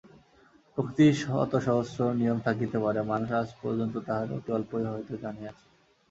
প্রকৃতির শতসহস্র নিয়ম থাকিতে পারে, মানুষ আজ পর্যন্ত তাহার অতি অল্পই হয়তো জানিয়াছে।